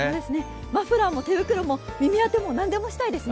マフラーも手袋も耳当ても何でもしたいですね。